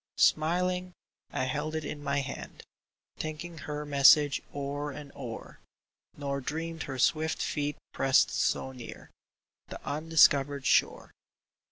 Smiling, I held it in my hand, Thinking her message o'er and o'er, Nor dreamed her swift feet pressed so near The undiscovered shore.